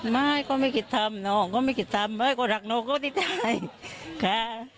ไม่เขาไม่คิดทำน้องก็ไม่คิดทำไม่ก็รักน้องก็ติดใจค่ะ